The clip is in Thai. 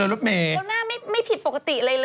แล้วหน้าไม่ผิดปกติเลยเหรอ